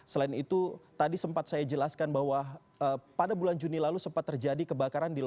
selain itu tadi sempat saya jelaskan bahwa pada bulan juni lalu sempat terjadi kebakaran